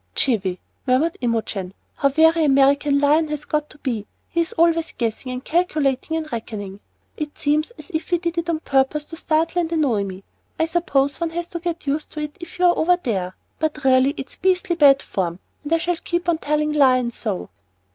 "Jiffy!" murmured Imogen. "How very American Lion has got to be. He's always 'guessing' and 'calculating' and 'reckoning.' It seems as if he did it on purpose to startle and annoy me. I suppose one has got to get used to it if you're over there, but really it's beastly bad form, and I shall keep on telling Lion so."